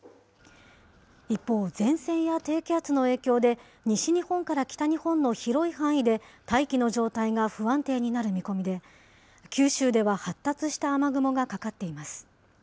一方、前線や低気圧の影響で西日本から北日本の広い範囲で、大気の状態が不安定になる見込みで、九州では発達した雨雲がかかっています。